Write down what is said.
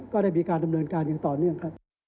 ก็ได้มีการดำเนินการอย่างต่อเนื่องครับ